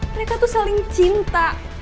mereka tuh saling cinta